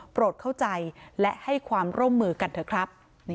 โปรดเข้าใจและให้ความร่วมมือกันเถอะครับ